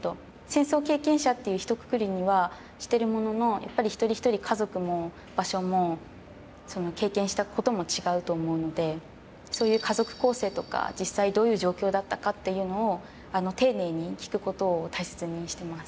戦争経験者っていうひとくくりにはしてるもののやっぱり一人一人家族も場所も経験したことも違うと思うのでそういう家族構成とか実際どういう状況だったかっていうのを丁寧に聞くことを大切にしてます。